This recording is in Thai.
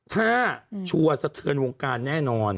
ถ้าชัวร์สะเทือนวงการแน่นอน